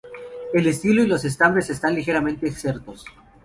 El estilo y los estambres están ligeramente exertos.